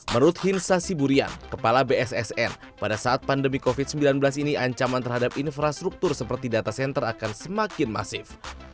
menurut hinsa siburian kepala bssn pada saat pandemi covid sembilan belas ini ancaman terhadap infrastruktur seperti data center akan semakin masif